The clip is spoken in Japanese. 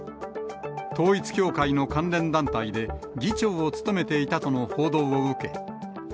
統一教会の関連団体で議長を務めていたとの報道を受け。